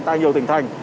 tại nhiều tỉnh thành